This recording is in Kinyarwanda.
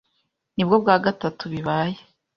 Nibwo bwa gatatu bibaye.